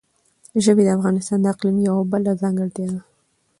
ژبې د افغانستان د اقلیم یوه بله ځانګړتیا ده.